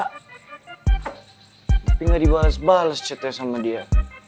tapi gak dibalas balas chatnya sama dia